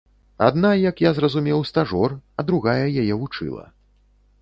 Адна, як я зразумеў, стажор, а другая яе вучыла.